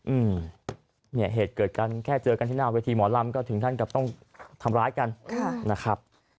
อืมเนี่ยเหตุเกิดกันแค่เจอกันที่หน้าเวทีหมอลำก็ถึงท่านกับต้องทำร้ายกันค่ะนะครับ